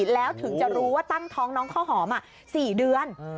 แล้วถึงจะรู้ว่าตั้งท้องน้องข้าวหอม๔เดือน